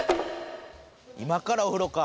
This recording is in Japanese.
今からお風呂か。